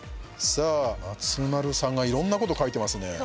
さあ、松丸さんがいろんなことを書いていますね。